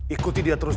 ikuti dia terus